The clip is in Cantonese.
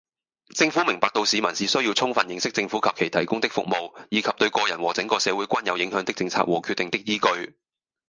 政府明白到市民是需要充分認識政府及其提供的服務，以及對個人和整個社會均有影響的政策和決定的依據